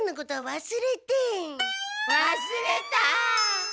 わすれた。